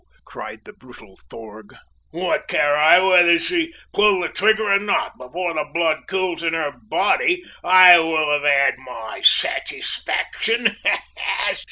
cried the brutal Thorg, "what care I whether she pull the trigger or not? Before the blood cools in her body, I will have had my satisfaction!